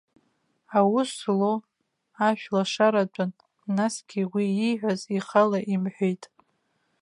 Аус злоу, ашәлашаратәын, насгьы уи ииҳәаз ихала имҳәеит.